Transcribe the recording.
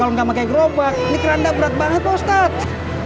kalau gak pakai gerobak ini kerandang berat banget pak ustadz